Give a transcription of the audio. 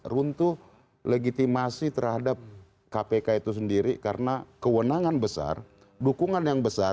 runtuh legitimasi terhadap kpk itu sendiri karena kewenangan besar dukungan yang besar